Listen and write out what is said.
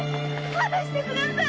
離してください！